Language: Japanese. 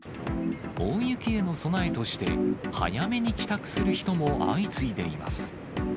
大雪への備えとして、早めに帰宅する人も相次いでいます。